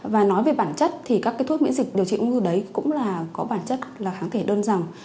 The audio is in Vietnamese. và nói về bản chất thì các thuốc miễn dịch điều trị ung thư đấy cũng có bản chất là kháng thể đơn dòng